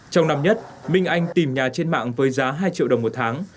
trong năm nhất minh anh tìm nhà trên mạng với giá hai triệu đồng một tháng